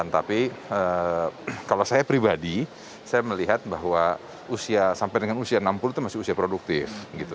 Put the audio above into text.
tapi kalau saya pribadi saya melihat bahwa usia sampai dengan usia enam puluh itu masih usia produktif